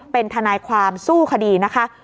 เป็นทนายความสู้คดีนะคะ